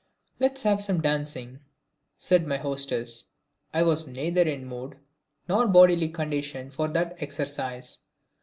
"Let's have some dancing," said my hostess. I was neither in the mood nor bodily condition for that exercise.